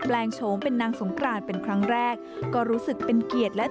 ลงโฉมเป็นนางสงกรานเป็นครั้งแรกก็รู้สึกเป็นเกียรติและ